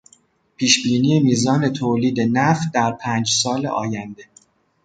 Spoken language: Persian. پیشبینی میزان تولید نفت در پنج سال آینده